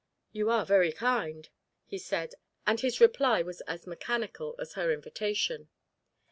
"You are very kind," he said, and his reply was as mechanical as her invitation.